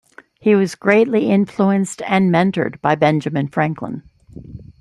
He was greatly influenced and mentored by Benjamin Franklin.